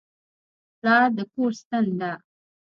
پلار د کور ستن ده.